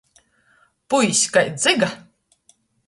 Puiss kai dziga!